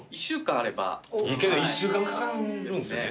けど１週間かかる。